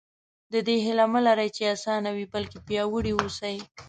د دې هیله مه لره چې اسانه وي بلکې پیاوړي اوسئ.